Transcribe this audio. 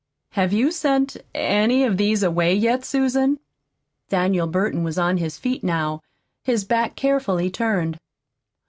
"Have you sent any of these away yet, Susan?" Daniel Burton was on his feet now, his back carefully turned.